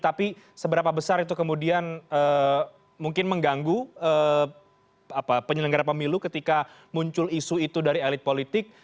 tapi seberapa besar itu kemudian mungkin mengganggu penyelenggara pemilu ketika muncul isu itu dari elit politik